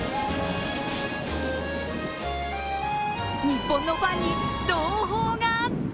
日本のファンに朗報が。